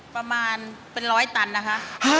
ประมาณเป็นร้อยตันนะคะ